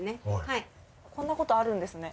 こんなことあるんですね。